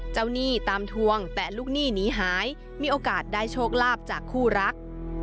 หนี้ตามทวงแต่ลูกหนี้หนีหายมีโอกาสได้โชคลาภจากคู่รัก